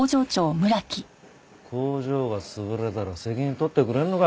工場が潰れたら責任取ってくれるのか？